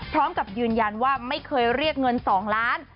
พร้อมกับยืนยันว่าไม่เคยเรียกเงิน๒ล้าน